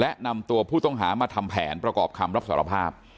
และนำตัวผู้ต้องหามาทำแผนประกอบคำรับสารภาพ